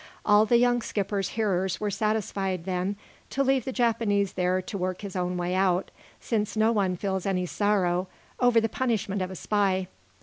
All the young skipper's hearers were satisfied, then, to leave the Japanese there to work his own way out, since no one feels any sorrow over the punishment of a spy.